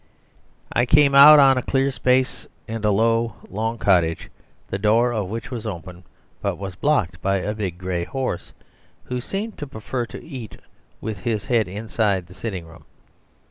I came out on a clear space and a low, long cottage, the door of which was open, but was blocked by a big grey horse, who seemed to prefer to eat with his head inside the sitting room.